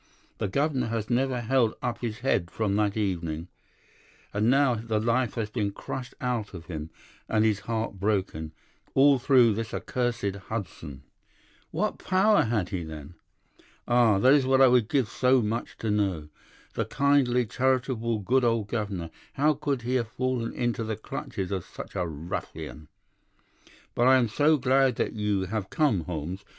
The governor has never held up his head from that evening, and now the life has been crushed out of him and his heart broken, all through this accursed Hudson.' "'What power had he, then?' "'Ah, that is what I would give so much to know. The kindly, charitable, good old governor—how could he have fallen into the clutches of such a ruffian! But I am so glad that you have come, Holmes.